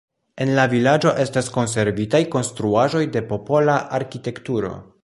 En la vilaĝo estas konservitaj konstruaĵoj de popola arkitekturo.